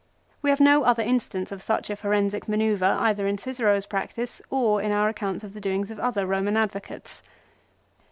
We have no other instance of such a forensic manoeuvre either in Cicero's practice or in our accounts of the doings of other Eoman advocates.